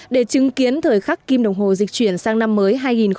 để chứng kiến thời khắc kim đồng hồ dịch chuyển sang năm mới hai nghìn một mươi bảy